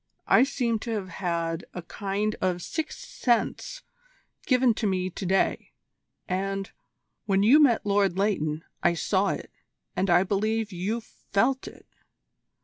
I seem to have had a kind of sixth sense given to me to day, and, when you met Lord Leighton, I saw it, and I believe you felt it.